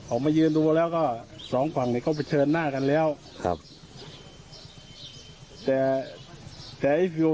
ออกมายืนดูแล้วก็สองฝั่งเนี้ยเขาเผชิญหน้ากันแล้วครับแต่แต่ไอ้คิว